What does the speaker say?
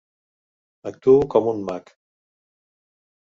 Actuo com un mag.